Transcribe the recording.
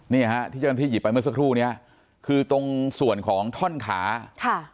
นี่ฮะที่เจ้าหน้าที่หยิบไปเมื่อสักครู่เนี้ยคือตรงส่วนของท่อนขาค่ะ